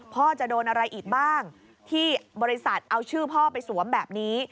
พ่อจะโดนอะไรอีกบ้างที่บริษัทเอาชื่อพ่อไปสวมแบบนี้